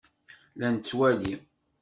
La nettwali.